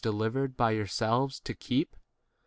delivered by yourselves f [to keep]